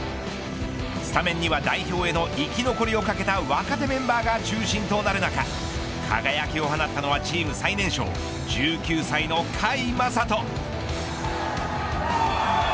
スタメンには代表への生き残りをかけた若手メンバーが中心となる中輝きを放ったのはチーム最年少１９歳の甲斐優斗。